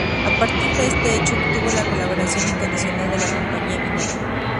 A partir de este hecho obtuvo la colaboración incondicional de la compañía minera.